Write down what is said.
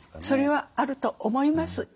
それはあると思います。